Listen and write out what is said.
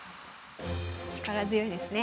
力強いですね。